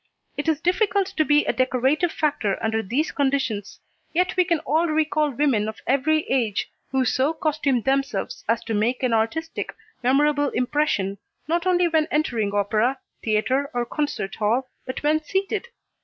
It is difficult to be a decorative factor under these conditions, yet we can all recall women of every age, who so costume themselves as to make an artistic, memorable impression, not only when entering opera, theatre or concert hall, but when seated.